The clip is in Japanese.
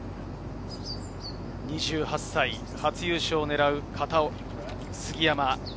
２８歳、初優勝を狙う杉山。